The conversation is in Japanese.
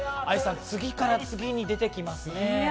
愛さん、次から次に出てきますね。